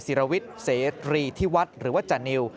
สิรวิทย์เสรีธิวัตรหรือว่าจ่านิว